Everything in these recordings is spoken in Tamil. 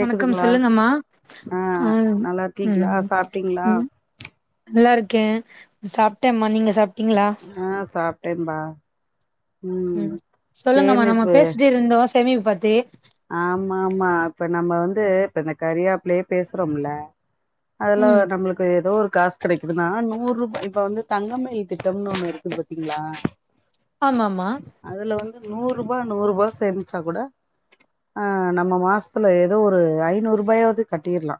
வணக்கம் சொல்லுங்கமா ஆ நல்லா இருக்கீங்களா ம் சாப்ட்டீங்களா ம் நல்லா இருக்கே சாப்ட்டேம்மா நீங்க சாப்பிட்டீங்குளா வேண்மா ம் சொல்லுங்கமா நம்ம பேசிட்டு இருந்தோ சேமிப்பத்தி ஆமாம்மா இப்ப நம்ம வந்து இப்ப இந்த கரியாப்லயே பேசுறோம்ல அதுலா ம் நம்ளுக்கு ஏதோர் காஸ் கெடைக்குதுநா நூறுப் இப்ப வந்து தங்கமய்ல் திட்டம்னு ஒன்னு இருக்குது பாத்தீங்ளா ஆமாம்மா நூருபானு ஒரு பா சேமிச்சா கூட அ நம்ம மாஸ்த்துல ஏதோ ஒரு ஐநூருபாயாவ்து கட்டீர்லா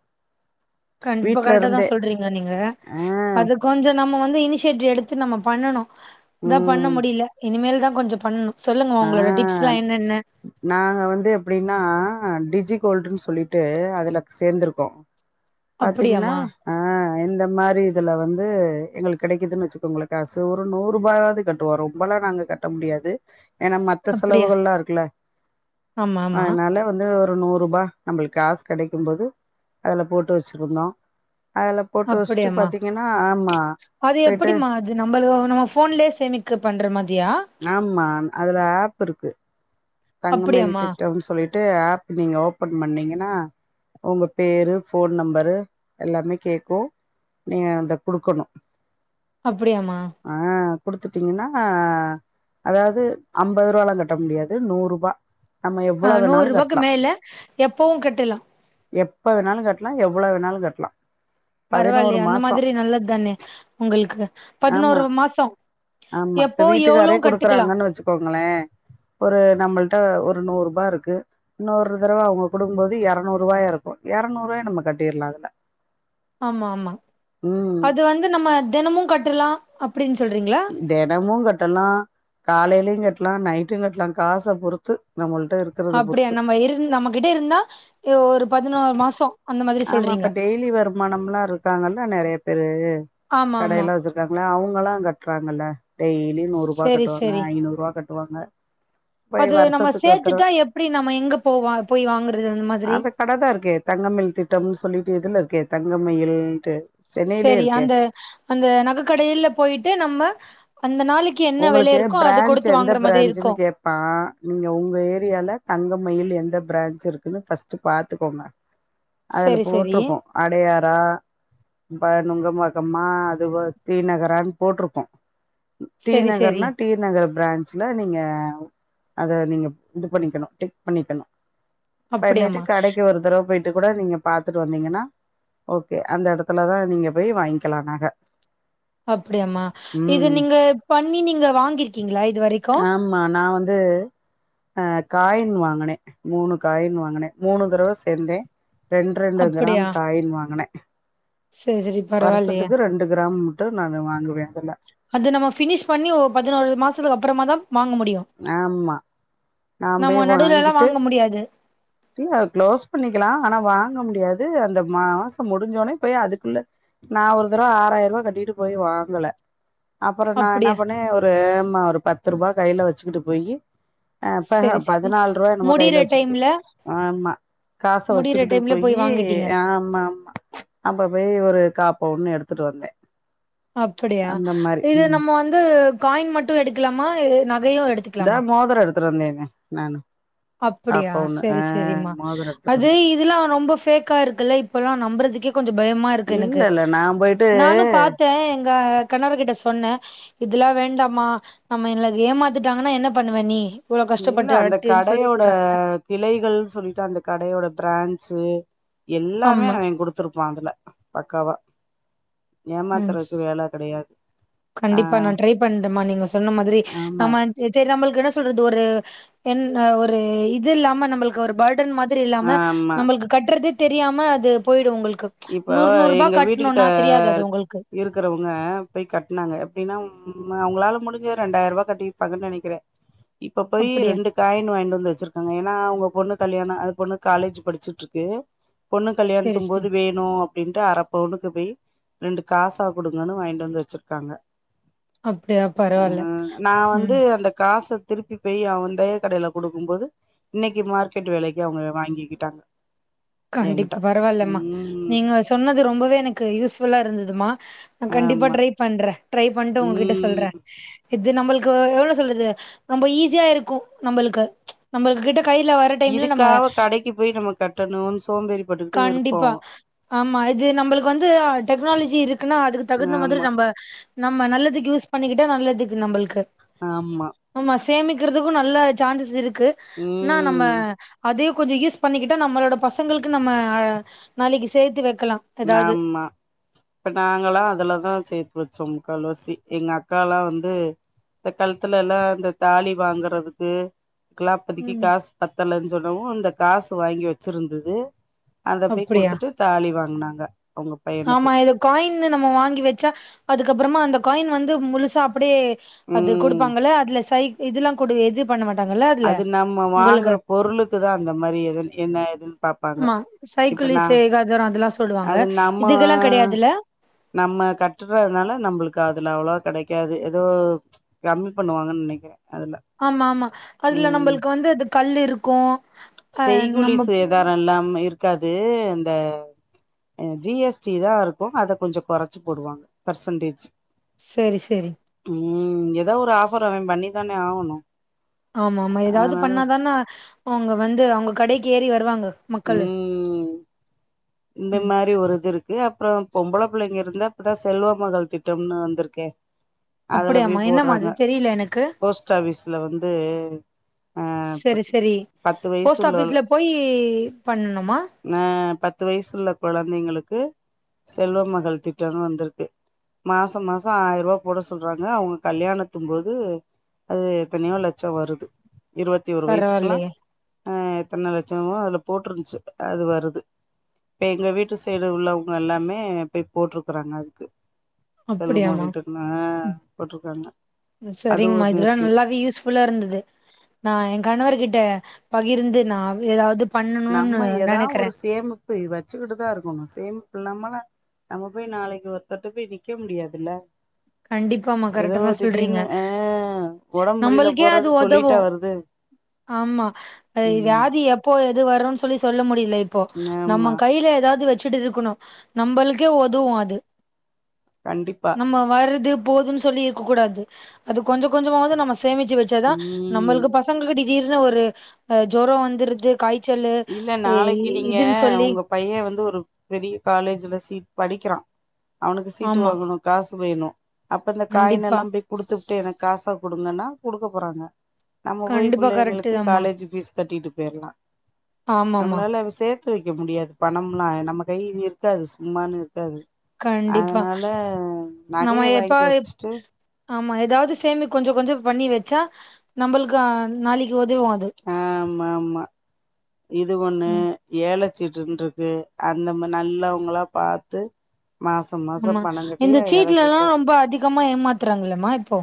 கண்ப்பா கரெட்டாதா சொல்றீங்க நீங்க ஆ அது கொஞ்சோ நம்ம வந் இனிஷியேட்டிவ் எடுத்து நம்ம பண்ணணு இதா பண்ண ம் முடில இனிமேல் தான் கொஞ்ச பண்ணணு சொல்லுங்கமா ஆ உங்களோட டிப்ஸ்லா என்னென்ன நாங்க வந்து எப்டினா ஆ டிஜிகோல்டுன் சொல்லிட்டு அதுல சேர்ந்திருக்கோ பாத்தீங்குனா அப்டியாமா ஆ இந்த மாரி இதுல வந் து எங்களுக் கெடைக்குதுன் வச்சுக்கோங்குளே காசு ஒரு நூருபாயாவ்து கட்டுவோ ரொம்பலா நாங்க கட்ட முடியாது ஏனா மத்த அப்டியா செலவுகள்லா இருக்குல ஆமா ஆமா அதுனால வந்து நூருபா நம்பளுக் காஸ் கெடைக்கும்போது அதுல போட்டு வச்சிருந்தோ அதுல போட்டு வஸ்ட்டு அப்டியாமா பாத்தீங்கனா ஆமா அது போயிட்டு எப்புடிமா அது நம்பளு நம்ம ஃபோன்லே சேமிக்க பண்ற மா ஆமா அதுல ஆப் இருக்கு தங்கமயில் அப்டியாமா திட்டம் சொல்லிட்டு ஆப் நீங்க ஓபன் பண்ணீங்கனா உங்க பேரு ஃபோன் நம்பரு எல்லாமே கேக்கு நீங்க அத குடுக்கணு அப்புடியா மா குடுத்துட்டீங்குனா அதாவ்து அம்பது ருவாலா கட்ட முடியாது நூருபா நம்ம ஆ எவ்வுள நூறு வேணாலு ரூபாக்கு கட்லா மேல எப்பவு கட்டலா எப்ப வேணாலு கட்லா எவ் வுள வேணாலு கட்லா பரவாயில்யே பதினோரு அந்த மாசோ மாதிரி நல்லதானே உங்களுக்கு ஆமா பதினோரு மாசோ ஆமா இப்ப எப்போ வீட்டுக்காரே எவ்ளோவு கட்டுக்கலா குடுக்குறாங்கன் வச்சுக்கோங்குளே ஒரு நம்மள்ட்ட ஒரு நூருபா இருக்கு இன்னொரு தடவ அவுங்க குடுக்கும்போது எரநூறுவாயா இருக்கு ய எர்நூர்வாயா நம்ம கட்டிர்லா அதுல ஆமா ஆமா ம் அது வந்து நம்ம தெனமு கட்டுலா அப் தெனமு கட்டலா காலேயு கெட் லா நைட்டு கெட்லா காச பொறுத்து நம்மள் அப்படியா நம்ம இருந் நம்மகிட்ட இருந்தா ஆ ஒரு பதினோரு மாச அந்த மாதிரி ஆமா சொல்றீங்க இப்ப டெய்லி வருமானமில்லா இருக்காங்கள்ள நெறைய பெரு ஆமா ஆமா கடையெல்லா வச்சிருக்காங்கள அவுங்கல்லா கட்டுறாங்கல்ல டெய்லி நூறுபா செரி கட்டுவாங்க செரி ஐநூறுவா கட்டுவாங்க போய் அது நம்ம வருஷத்துக்கு ஒரு தடவ சேத்துட்டா எப்டி நம்ம எங்க போவ போய் வாங்குறது அந்த மாதிரி தங்கமயல் திட்டம் சொல்லிட்டு இதுலருக்கே தங்கமயில்ன்ட்டு சென்னையிலயே செரி இருக்கே அந்த அந்த நகக்கடைல்ல போயிட்டு நம்ம அந் உங்களுக்கு ப்ரான்ச் எந்த மாதிரி இருக்கு ப்ரான்ச்சுன்னு கேட்பா நீங்க உங்க ஏரியால தங்கமயில் எந்த பிரான்ச் இருக்குனு ஃபர்ஸ்ட்டு பாத்துக்கோங்க அதுல சரி சரி. போட்டுருக்கு அடையாரா ம் [unintelligible] நுங்கம்பக்கமா அது போல தீ நகரான்னு போட்டிருக்கு டி சரி சரி. நகர்னா டி நகர் பிரான்ச்ல நீங்க அத நீங்க இது பண்ணிக்கனு டெக் பண்ணிக்கனு பண்ணிட்டு அப்படியாம்மா கடைக்கு ஒரு தடவ போய் ட்டு கூட நீங்க பாத்துட்டு வந்தீங்கன்னா ஓகே அந்த எடத்துலதா நீங்க போய் வாய்ன்க்கலா நக அப்டியாம இது ம் நீங்க பண்ணி நீங்க வாங்கிருக்கீங்களா இது வரைக்கு து அ காயின் வாங்கினே மூணு காயின் வாங்கினே மூணு தடவ சேந்தே ரெண்ட்ரெண்டு கிராம் அப்படியா? காயின் வாங்குனே சரி சரி பரவாயில்லையே. வருஷத்துக்கு ரெண்டு கிராம் ட்டு நானு வாங்குவே அதுல்ல அது நம்ம ஃபினிஷ் பண்ணி ஓ பதினோரு மாசத்துக்கு அப்பறமா தா வாங்க முடியு ஆமா நா போய் நம்ம நடுவுல எல்லா வாங்கிட்டு வாங்க முடியாது இல்ல குளோஸ் பண்ணிக்கலா ஆனா வாங்க முடியாது அந்த மாசோ முடிஞ்சோனே போய் அதுக்குள்ள நா ஒரு தடவ ஆறாயிரூவா கட்டிட்டு போய் வாங்கல அப்றோ நா என்ன அப்படியா? பண்ணே ஒரு ம்மா ஒரு பத்து ரூபா கையில வச்சுக்கிட்டு போயி ஆ பஹ சரி சரி. பதினால்ட்ரூவா என்னமோ முடியிற கைல வச்சுட் போய் டைம்ல ஆமா காச முடியிற வச்சுக்கிட்டு டைம்ல போய் போயி வாங்கிட்டீங்க. ஆமா ஆமா அப்ப போய் ஒரு கா பவுன் எடுத்துட்டு வந்தே அப்படியா அந்த மாரி இது ம் நம்ம வந்து காயின் மட்டு எடுக்கலாமா நகையோ எடுத்துக்கலாமா உத்திரந்தவே நானு கா அப்புடியா பவுன்னு ஆ செரி செரிமா மோதிரோ எடுத்துட்டு அது வந்தே இதுல்லா ரொம்ப ஃபேக்கா இருக்குல்ல இப்பல்லா நம்புறது கொஞ்சோ பயமா இருக்கு எனக்கு இல்ல இல்ல நா போயிட்டு நானு பாத்தே எங்க ங்க கணவர் கிட்ட சொன்னே இதுல்லா வேண்டாமா நம்ம இல்ல ஏமாத்துட்டாங்கன்னா என்ன பண்ணுவ நீ இவ்ளோ இல்ல கஷ்டப்பட்டு அந்த [unintelligible] கடையோட கிளைகள்னு சொல்லிட்டு அந்த கடையோட பிரான்ச்சு எல்லாமே ஆமா அவ்வெ குடுத்துருப்பா அதுல பக்காவா ம் ஏமாத்துறக்கு வேல கெடையா கண்டிப்பா நா ட்ரை பண்றேமா நீங்க சொன்ன மாதிரி ஆமா நம்ம தெரி நம்மளுக்குன்னு சொல்றது ஒரு என் அ ஒரு இது இல்லாம நம்பளுக்கு ஒரு பாட் [unintelligible] மாதிரி இல்லாம ஆமா நம்மளுக்கு கட்டுறதே தெரியாம அது போய்டு உங்களுக்கு இப்போ நூறு நூறு ரூபா எங்க வீட்டு கிட்ட கட்டணும்னா தெரியாது அது இருக் உங்களுக்கு இருக்றவங்க போய் கட்னாங்க [unintelligible] ம் அவுங்களால முடிஞ்சுது ரெண்டாய்ர்வா கட்டிப்பாங்கன்னு நெனைக்கிறே இப்ப போயி அப்டியா ரெண்டு காய்னு வாய்ன்ட்டு வந்து வச்சிரு டாங்க ஏன்னா அவுங்க பொண்ணு கல்யாண அது பொண்ணு காலேஜ் படிச்சுட்டு இருக்கு பொண்ணு செரி கல்யாணத்து செரி போது க்கோ அப்டின்ட்டு அர பவுனுக்கு போய் ரெண்டு காசா குடுங்கன்னு வாய்ன்ட்டு வந்து வச்சிருக்காங்க அப்படியா ஆ பரவால்ல. நா ம். வந்து அந்த காச திருப்பி போய் அவன் அதே கடைல குடுக்குபோது இன்னைக்கு மார்க்கெட் வெலைக்கே அவுங்க வாங்கிக்கிட்டாங்க கண்டிப் என்கிட்ட பரவால்லமா ம் நீங்க சொன்னது ரொம்பவே எனக்கு யூஸ்ஃபுல்லா இருந்ததுமா நா கண்டிப்பா ஆமா ட்ரை பண்றே ட்ரை பண்ட்டு ஒங்ககிட்ட சொல்றே ம் இது நம்பளுக் க்கு எவ்ளோ சொல்றது ரொம்ப ஈஸியா இருக்கு நம்ளுக்கு நம்ளுக்கிட்ட கைல வர டைம்ல நம்ம இதுக்காக கடைக்கு போய் நம்ம கட்டணுன்னு சோம்பேறி பட்டுக்கிட்டு இருப்போ கண்டிப்பா ஆமா இது நம்மளுக்கு வந்து அ டெக்னாலஜி இருக் க்குனா அதுக்கு தகுந்த மாதிரி ஆமா நம்ப நம்ம நல்லதுக்கு யூஸ் பண்ணிக்கிட்டா நல்லதுக்கு நம்பளுக் ஆமா சேமிக்கிறதுக்கு நல்ல சான்சஸ் இருக்கு என்னா நம்ம ம் அதையு கொஞ்சொ யூஸ் பண்ணிகிட்டா நம்மளோட பசங்களுக்கு நம்ம அ நாளைக்கு சேர்த்து வ ஆமா இப்ப நாங்களா அதுலதா சேத்து வச்சோம் அக்கா லோசி எங்க அக்கால்லா வந்து இந்த காலத்துல எல்லா இந்த தாலி வாங்றதுக்கு கலாப்பதிக்கு ம் காசு பத்தலஞ் சொல்லவு இந்த காசு வாங்கி வச்சிருந்தது அத போய் அப்படியா குடுத்துட்டு தாலி வாங்னாங்க ஆமா இது காய்ன்னு நம்ம வாங்கி வச்சா அதுக்கப்புறமா அந்த காய்ன் வந்து முழுசா அப்டியே அது ம் கொடுப்பாங்கள அதுல சை இதெல்லா கொடு இது பண்ண மாட்டாங் அது நம்ம வாங்குற பொருளுக்குதா அந்த மாரி எதுன்னு என்ன எதுன்னு பாப் ஆமா சைக்குளு இசைகாதரோ அதெல்லா சொல்லுவாங்க அது நம்ம இதுக்கெல்லா கெடையாதுல்ல நம்ம கட்டுறதுனால நம்ளுக்கு அதுல அவ்ளோ கெடைக்காது எதோ கம்மி பண்ணுவாங்கன்னு நெனைக்றே ஆமா ஆமா அதுல நம்ளுக்கு வந்து அது கல் இருக்கு அ செய்குலி நம்ம சேதார இல்லாம இருக்காது இந்த ஜி எஸ் டி தா இருக்கு அத கொஞ்சொ கொறச்சு போடுவாங்க பெர்சன்டேஜ் சரி சரி ம் எதோ ஒரு ஆஃபர் அவன் பண்ணிதானே ஆகணு ஆமா ஆமா எதாச்சு அதனால பண்ணாதான அவுங்க வந்து அவுங்க கடைக்கு ஏறி வருவாங்க மக்களு உம் இந்த ம் மாரி ஒரு இது இருக்கு அப் அப்றோ பொம்பள பிள்ளைங்க இருந்த இப்பதா செல்வ மகள் திட்டம்னு வந்துருக்கே அதுல அப்படியாமா போய் என்னம்மா அது போட்றாங்க தெரியல எனக்கு போஸ்ட் ஆஃபிஸ்ல வந்து அ சரி சரி பத்து வயசு போஸ்ட் ஆஃபீஸ்ல உள்ளோகளுக் போய் பண்ணணுமா நஹ் பத்து வயசுள்ள குழந்தைங்களுக்கு செல்வ மகள் திட்டன்னு வந்துருக்கு மாசோ மாச ஆய்ருவா போட சொல்றாங்க அவங்க கல்யாணத்தும் போது அது எத்தனையோ லெச்சோ வருது இருவத்தி ஒரு வயசுக்குலா பரவாயில்லையே அ எத்தன லெச்சமோ அதுல போட்ருந்துச்சு அது வருது இப்ப எங்க வீட்டு சைடு உள்ளவங்க எல்லாமே போய் போட்ருக்குறாங்க அதுக்கு சொல்லு அப்படியாமா மகள்டன்னு அ போட்ருக்காங்க செரிங்ம்மா இதெல்லா நல்லாவே யூஸ்ஃபுல்லா இருந்தது நா ஏ கணவர் கிட் ட்ட பகிர்ந்து நா அவ் எதாவ்து நம்ம எதா ஒரு சேமிப்பு வச்சுக்கிட்டுதா இருக்கணு சேமிப்பு இல்லாமலா நம்ம போய் நாளைக்கு ஒருத்தர்ட்ட போய் நிக்க முடியாதுல்ல கண்டிப்பாமா எதோ கரெக்டா தா ஒரு சொல்றீங்க திடீர்னு அ ஒடம்பு முடில நம்மளுக்கே அது போறது உதவு சொல்லிட்டா வருது ஆமா ஆ ம் வியாதி எப்போ வரும்னு சொல்லி சொல்ல முடியல இப்போ ஆமா நம்ம கையில எதாவது வச்சு டுட்டு இருக்கணு நம்மளுக்கே ஒதவு அது கண்டிப்பா இது போதுன்னு சொல்லி இருக்க கூடாது அது கொஞ்ச கொஞ்சமாவ்து நம்ம சே சேமுச்சு வச்சாதா ம் நம்மளுக்கு பசங்க கிட்ட திடீர்னு ஒரு ஜொரொ வந்துடுது இல்ல நாளைக்கி நீங்க சொல்லி உங்க பையன் வந்து ஒரு பெரிய காலேஜுல சீட் படிக்கிறான் அவனுக்கு சீட்டு ஆமா வாங்கணு காசு வேணு அப்ப இந்த கண்டிப்பா காயினெல்லா போய் குடுத்துவுட்டு எனக்கு காசா குடுங்கன்னா குடுக்க போறாங்க நம்ம போய் கண்டிப்பா கரெக்ட் பிள்ளைங்களுக்கு தாம்மா காலேஜ் ஃபீஸ் கட்டிட்டு போய்ரலா ஆமாமா நம்ளால சேத் து வைக்க முடியாது பணம்ன்னா நம்ம கை இருக்காது சும்மானு து கண்டிப்பா அதுனால உ நம்ம நகய எப்ப வாங்கி எப்- வச்சுட்டு ஆமா ஏதாவது சேமி கொஞ்சோ கொஞ்சோ பண்ணி வச்சா நம்மளுக்கு நாளைக்கு உதவு அது ஆ, ஆமா ஆமா இது ஒண்ணு ம் ஏல சீட்டுன்னு இருக்கு அந்த மாரி நல்லவங்களா பாத்து மாசம் மாசம் ஆமா பணம் கட்டி இந்த சீட்ல எல்லா ஏலச்சீட்டு ரொம்ப அதிகமா ஏமாத்துறாங்கல்லம்மா இப்போ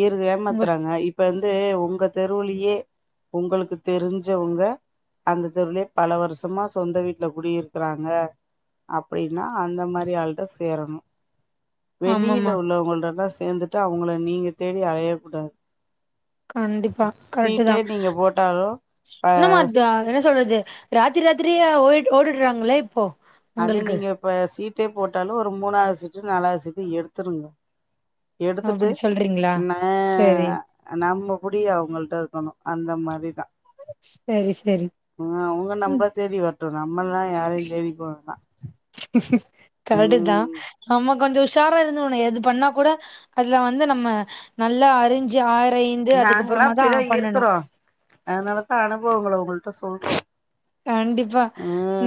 இரு உங்க ஏமாத்துறாங்க இப்ப வந்து வந்து உங்க தெருவுலயே உங்களுக்கு தெரிஞ்சவங்க அந்த தெருவுலயே பல வருஷமா சொந்த வீட்ல குடியிருக்குறாங்க அப்டின்னா அந்த மாரி ஆளுட்ட சேரணு வெளில ஆமாமா சேந்துட்டு உள்ளவங்கள்ட்டலா சேந்துட்டு அவங்கள நீங்க தேடி அழைய கூடாது கண்டிப்பா கரெக்ட் தா போட்டாலு அ என்னம்மா இது என்ன சொல்றது ரா த்திரி ராத்திரியா ஓடி ஓடிட்றாங்களே இப்போ அது உங்களுக்கு நீங்க இப்ப சீட்டே போட்டாலு ஒரு மூணாவது சீட்டு நாலாவது சீட்டு எடுத்துருனு எடுத்துட்டு அப்டி சொல்றீங்களா ந சரி நம்ம புடி அவங்கள்ட்ட இருக்கணு அந்தமாரிதா சரி சரி ஆ, அவங்க ம் நம்மள தேடி வரட்டு நம்மல்லா யாரையு தேடி போ வேண்டா கரெக்ட்டு தா ம் நம்ம கொஞ்சோ உஷாரா இருந்துகுனு எது பண்ணா கூட அதுல வந்து நம்ம நல்லா அறி நாங்கலா அப்டிதா பண்ணணு இருக்குறோ அதனால தா அனுபவங்கள உங்கள்ட்ட இப்போ கண்டிப்பா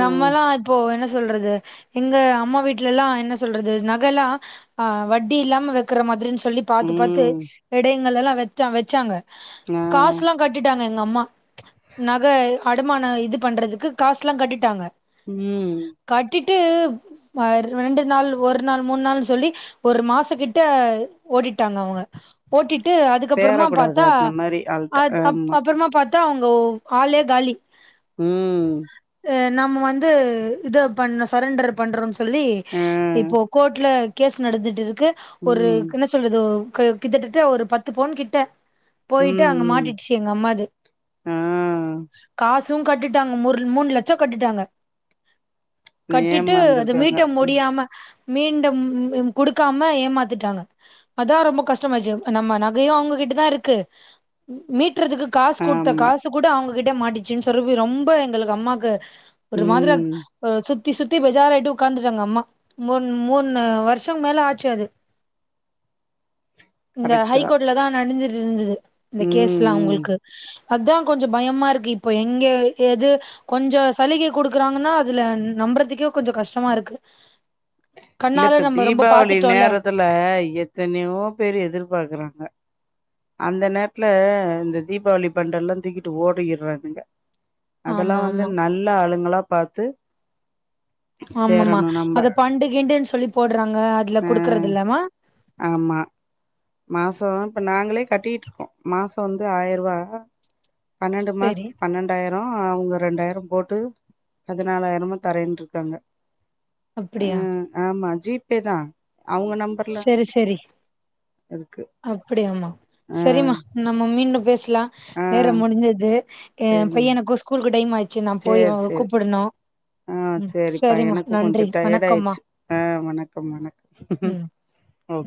நம்மல்லா இப்போ என்ன சொல்றது எங்க அம்மா வீட்லல்லா என்ன சொல்றது நகைல்லா ஆ வட்டி இல்லாம வைக்கற மாதிரினு சொ சொல்லி பாத்து பாத்து ம் எடைங்கள் எல்லா வச் வச்சாங்க ஆ காசுல்லா கட்டிட்டாங்க எங்க அம்மா நக அடமானம் இது பண்றதுக்கு காசுல்லா கட்டிட்டாங்க ம் கட்டிட்டு ஆ, ரெண்டு நாள் ஒரு நாள் மூணு நாள்னு சொல்லி ஒரு மாச கிட்ட ஓடிட்டாங்க அவங்க ஓட்டிட்டு அதுக்கப்பறமா சேரக்கூடாது பாத்தா அந்த மாரி ஆள்ட்ட அது ஆமா அப்பறமா பாத்தா அவங் ஓ ஆளே காலி ம் அ நம்ம வந்து இத பண்ண சரண்டர் பண்றோம்ன்னு சொல்லி ஆ இப்போ கோர்ட்ல கேஸ் நடந்துட்டு இருக்கு ஒரு ம் என்ன சொல்றது கிட்டதட்ட ஒரு பத்து பவுன் கிட்ட போயிட்டு ம் அங்க ம் மாட்டிடுச்சு எங்க அம்மாது ஆ காசும் கட்டிட் ட்டாங்க முர் மூணு லட்சம் கட்டிட்டாங்க கட்டிட்டு அது ஏமாந்துருக்காங்க மீட்ட முடியாம மீண்டும் குடுக்காம ஏமாத்திட்டாங்க அதா ரொம்ப கஷ்டமாயிடுச்சு நம்ம நகையையு அவங்க கிட் ட்டதா இருக்கு மீட் ட்றதுக்கு காசு குடுத்த ஆமா காசு கூட அவங்க கிட்டே மாட்டிச்சுன்னு சொல்லி ரொம்ப எங்களுக்கு அம்மாக்கு ஒரு மாதிரியா ம் அ சு த்தி சுத்தி பேஜாரா ஆயிட்டு உட்காந்துட்டாங்க அம்மா மூண் மூணு வருஷம் மேல ஆச்சு அது இந்த ஹை கரெக்ட்டு தா கோர்ட்லதா நடந்துட்டு இருந்துது இந்த ம் கேஸ்லா ம் அவங்களுக்கு அதுதா கொஞ்சோ பயமா இருக்கு இப்போ எங்க எது கொஞ்சோ சலுகை குடுக்குறாங்கன்னா அதுல நம்புறதுக்கே கொஞ்சோ கஷ்டமா இருக்கு இல்ல கண்ணால இப்ப நம்ம ரொம்ப தீபாவளி பாத்துட்டோல்ல நேரத்துல எத்தனையோ பேரு எதிர்பாக்குறாங்க அந்த நேரத்துல இந்த தீபாவளி ஃபண்ட் எல்லா தூக்கிட்டு ஓடிட்றாானுங்க அதெல்லா ஆமா வந்து ஆமா நல்ல ஆளுங்களா பாத்து ஆமாமா சேரணு நம்ப அத ஃபண்டு கிண்டுன்னு சொல்லி போடுறாங்க அதுல அ குடுக்கறது இல்லமா ஆமா மாசோ இப்ப நாங்களே கட்டிட்டு இருக்கோ மாசம் வந்து ஆயிரரூவா பன்னெண்டு சரி மாசத்து பன்னெண்டாயிர ரோ அவங்க ரெண்டாயிரோ போட்டு பதினாலாயிரமா தரன்ருக்காங்க அ அப்டியா ஆமா ஜி பே தா அவங்க நம்பர்ல இருக்கு அப்பிடியாமா ஆ செரிமா நம்ம மீண்டு பேசலா ஆ நேரோ முடிஞ்சது ஏ சரிங்க பையனுக்கு ஸ்கூலுக்கு டைம் ஆயிச்சு நா போய் கூப்பிடனு செரிப்பா எனக்கு கொஞ்சோ டயர்ட் வணக்கம்மா ஆயிடுச்சு அ வணக்கம் வணக்கம் ம் ஒ